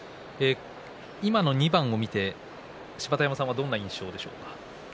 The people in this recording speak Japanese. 今の２番を見て芝田山さんはどんな印象でしょうか。